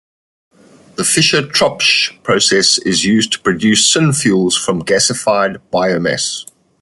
The Fischer-Tropsch process is used to produce synfuels from gasified biomass.